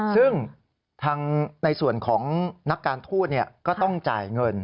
ซึ่งทางในส่วนของนักการทูตก็ต้องจ่ายเงิน